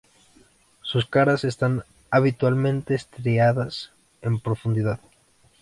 Sus caras están habitualmente estriadas en profundidad.